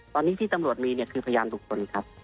ตอนนี้ที่ตำรวจมีเนี่ยคือพยานบุคคลครับ